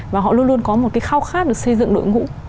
và họ luôn luôn có một cái khao khát được xây dựng đội ngũ